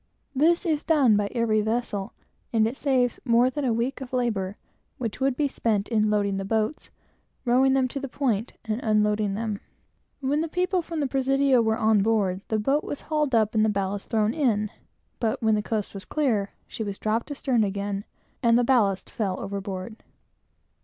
This is done by every vessel, for the ballast can make but little difference in the channel, and it saves more than a week of labor, which would be spent in loading the boats, rowing them to the point, and unloading them. When any people from the Presidio were on board, the boat was hauled up and ballast thrown in; but when the coast was clear, she was dropped astern again, and the ballast fell overboard.